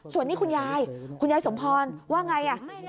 ส่วนนี้คุณยายคุณยายสมพรว่าไง